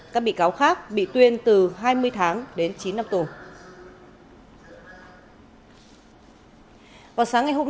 các bị cáo khác bị tuyên từ hai mươi tháng đến ba mươi tháng